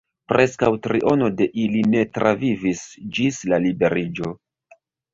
Preskaŭ triono de ili ne travivis ĝis la liberiĝo.